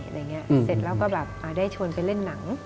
เสร็จเราก็ได้ชวนไปเล่นหนัง